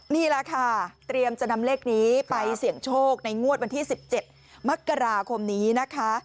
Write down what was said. นี่แหละค่ะเตรียมจะนำเลขนี้ไปเสี่ยงโชคในงวดวันที่๑๗มกราคมนี้นะคะ